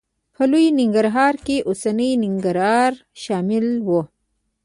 په لوی ننګرهار کې اوسنی ننګرهار شامل و.